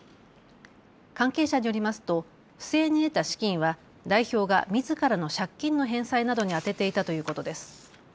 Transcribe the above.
関係者によりますと不正に得た資金は代表がみずからの借金の返済などに充てていたということです。